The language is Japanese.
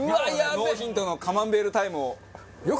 ノーヒントのカマンベールタイムを。